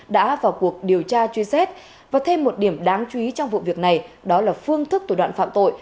đã vào cuộc điều tra truy xét và thêm một điểm đáng chú ý trong vụ việc này đó là phương thức thủ đoạn phạm tội